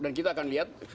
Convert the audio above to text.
dan kita akan lihat